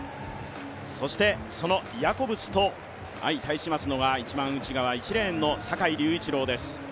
そして、そのヤコブスと相対しますのが一番内側のレーン１レーンの坂井隆一郎です。